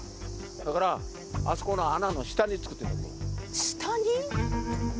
だから、あそこの穴の下に作って下に？